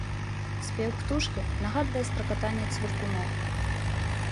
Спеў птушкі нагадвае стракатанне цвыркуноў.